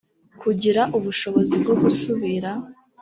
kugira ubushobozi bwo gusubira